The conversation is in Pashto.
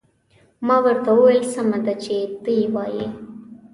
ما ورته وویل: سمه ده، چې ته يې وایې.